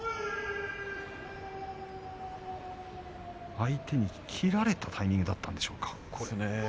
相手に切られたタイミングだったんでしょうか。